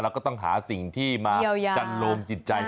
สิ่งการที่เราจัดโรงหิตใจ